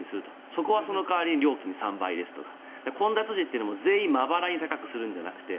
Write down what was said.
そこはその代わり料金３倍ですとか混雑時というのも全員まばらに高くするんじゃなくて